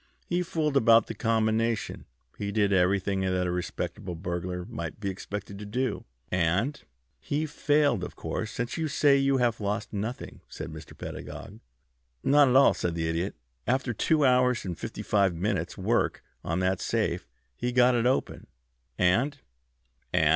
He fooled about the combination. He did everything that a respectable burglar might be expected to do, and " "He failed, of course, since you say you have lost nothing," said Mr. Pedagog. "Not at all," said the Idiot. "After two hours and fifty five minutes' work on that safe he got it open. And " "And?"